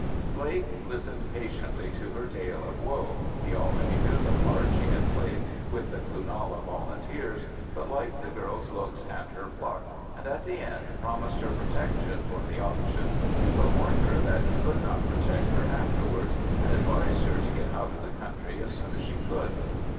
Blake listened patiently to her tale of woe—he already knew the part she had played with the Cloonalla Volunteers, but liked the girl's looks and her pluck, and at the end promised her protection for the auction, but warned her that he could not protect her afterwards, and advised her to get out of the country as soon as she could.